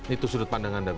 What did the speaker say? itu sudut pandangan anda